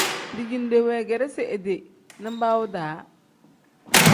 Dijinde weegeresi idi nibaawu-daa.